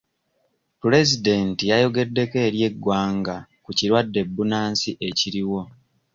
Pulezidenti yayogeddeko eri eggwanga ku kirwadde bbunansi ekiriwo.